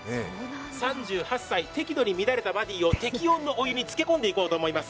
３８歳、適度に乱れたバディーを適温のお湯につけこんでいこうと思います。